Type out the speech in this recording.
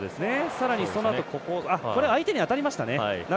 さらにそのあと相手に当たりましたね。